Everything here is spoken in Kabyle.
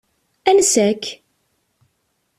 Ansa-k?